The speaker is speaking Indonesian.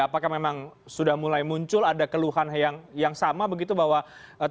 apakah memang sudah mulai muncul ada keluhan yang sama begitu bahwa ini memang sudah muncul